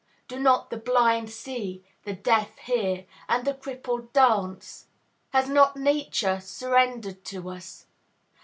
Do not the blind see, the deaf hear, and the crippled dance? Has not Nature surrendered to us?